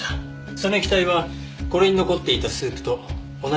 その液体はこれに残っていたスープと同じ成分でした。